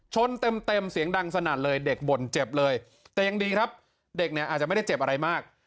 ชนเต็มเต็มเสียงดังสนั่นเลยเด็กบ่นเจ็บเลยแต่ยังดีครับเด็กเนี่ยอาจจะไม่ได้เจ็บอะไรมาก